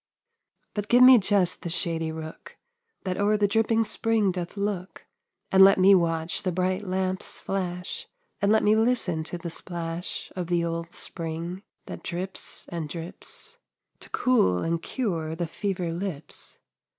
But give me just the shady rook That o'er the dripping spring doth look, And let me watch the bright lamps flash, And let me listen to the splash Of the old spring that drips and drips, To cool and cure the fever lips.